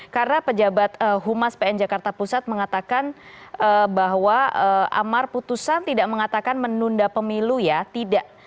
karena pejabat humas pn jakarta pusat mengatakan bahwa amar putusan tidak mengatakan menunda pemilu ya tidak